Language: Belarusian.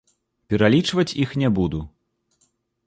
Пералічваць іх не буду.